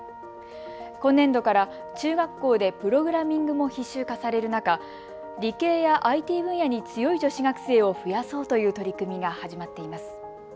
今年度から中学校でプログラミングも必修化される中、理系やＩＴ分野に強い女子学生を増やそうという取り組みが始まっています。